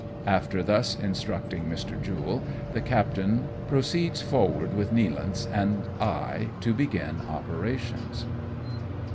After thus instructing Mr. Jule, the captain pro ceeds forward with Nealance and I to begin operations.